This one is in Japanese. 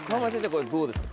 これどうですか？